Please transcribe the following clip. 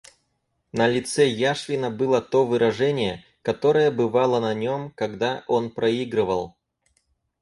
На лице Яшвина было то выражение, которое бывало на нем, когда он проигрывал.